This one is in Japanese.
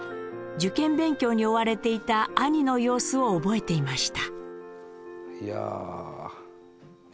受験勉強に追われていた兄の様子を覚えていました。